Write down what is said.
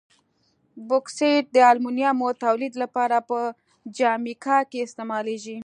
بوکسیت د المونیمو تولید لپاره په جامیکا کې استعمالیږي.